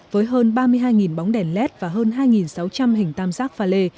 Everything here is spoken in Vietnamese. với hơn ba mươi hai bóng đèn led và hơn hai sáu trăm linh hình tam giác pha lê